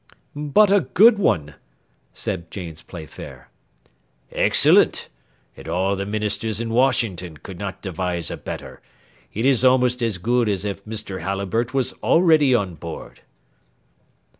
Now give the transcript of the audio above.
"But a good one?" said James Playfair. "Excellent! and all the ministers in Washington could not devise a better; it is almost as good as if Mr. Halliburtt was already on board."